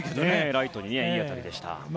ライトにいい当たりでしたね。